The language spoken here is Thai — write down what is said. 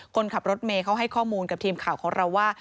คนขับรถเมย์เขาให้ข้อมูลกับทีมข่าวของเราว่า